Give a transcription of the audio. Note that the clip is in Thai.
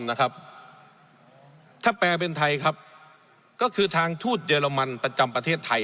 ถ้าแปลเป็นไทยครับก็คือทางทูตเยอรมันประจำประเทศไทย